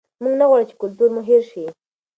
موږ نه غواړو چې کلتور مو هېر شي.